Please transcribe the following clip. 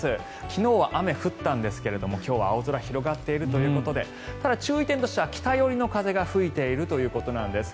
昨日は雨、降ったんですが今日は青空広がっているということで注意点としては北寄りの風が吹いているということなんです。